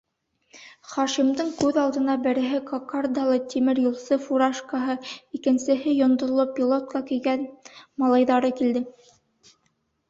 Хашимдың күҙ алдына береһе кокардалы тимер юлсы фуражкаһы, икенсеһе йондоҙло пилотка кейгән малайҙары килде.